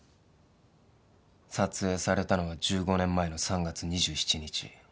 撮影されたのが１５年前の３月２７日。